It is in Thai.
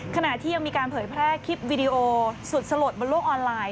ขณะที่ยังมีการเผยแพร่คลิปวิดีโอสุดสลดบนโลกออนไลน